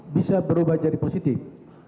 bisa berubah jadi positif